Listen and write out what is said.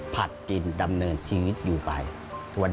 ผัดกินดำเนินชีวิตอยู่ไป